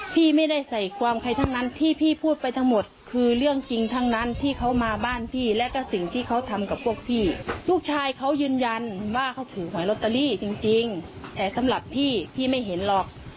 พี่ไม่ได้ใส่ความใครทั้งนั้นที่พี่พูดไปทั้งหมดคือเรื่องจริงทั้งนั้นที่เขามาบ้านพี่และก็สิ่งที่เขาทำกับพวกพี่ลูกชายเขายืนยันว่าเขาถือหอยลอตเตอรี่จริงแต่สำหรับพี่พี่ไม่เห็นหรอก